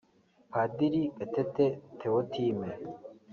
Padiri Gatete Théotime